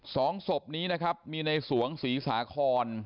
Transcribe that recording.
สองศพนี้นะครับมีในสวงศรีสาคร